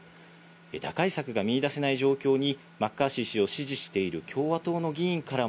打開策が見いだせない状況にマッカーシー氏を支持している共和党の議員からも